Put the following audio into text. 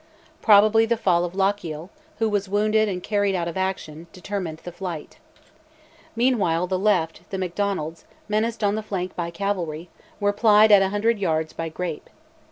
Probably the fall of Lochiel, who was wounded and carried out of action, determined the flight. Meanwhile the left, the Macdonalds, menaced on the flank by cavalry, were plied at a hundred yards by grape.